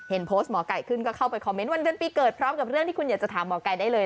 โพสต์หมอไก่ขึ้นก็เข้าไปคอมเมนต์วันเดือนปีเกิดพร้อมกับเรื่องที่คุณอยากจะถามหมอไก่ได้เลย